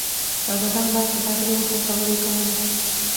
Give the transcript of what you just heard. شاګردان باید په ټاکلي وخت کې خبرې کولې.